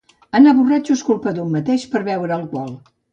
Anar borratxo és culpa d'un mateix per beure alcohol